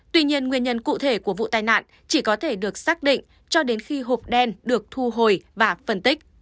tuy nhiên nguyên nhân cụ thể của vụ tai nạn chỉ có thể được xác định cho đến khi hộp đen được thu hồi và phân tích